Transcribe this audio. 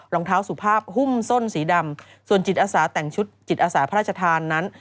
รองเท้าสุภาพหุ้มส้นสีดำส่วนจิตอาสาแต่งชุดจิตอาสาพระราชทานนั้น